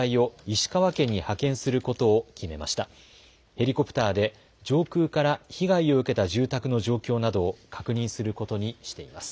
ヘリコプターで上空から被害を受けた住宅の状況などを確認することにしています